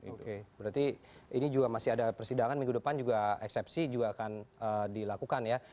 oke berarti ini juga masih ada persidangan minggu depan juga eksepsi juga akan dilakukan ya